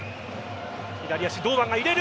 左足、堂安が入れる。